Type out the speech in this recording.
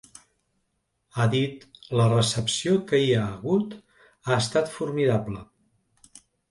Ha dit: La recepció que hi ha hagut ha estat formidable.